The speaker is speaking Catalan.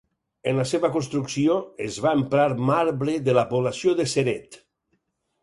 En la seva construcció, es va emprar marbre de la població de Ceret.